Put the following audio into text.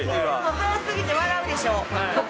早すぎて笑うでしょ。